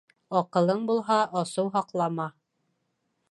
Аҡылың булһа, асыу һаҡлама.